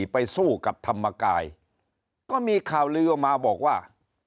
ไปสู้กับธรรมกายก็มีข่าวลือออกมาบอกว่า